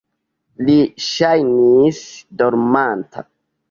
Li ŝajnis dormanta.